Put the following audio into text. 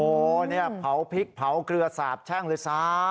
โอ้โหเนี่ยเผาพริกเผาเกลือสาบแช่งเลยซะ